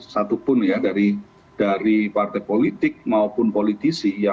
satupun ya dari partai politik maupun politisi